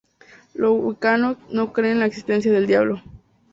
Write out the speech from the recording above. Los wiccanos no creen en la existencia del diablo.